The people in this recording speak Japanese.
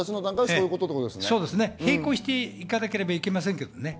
並行していかなければいけませんけどね。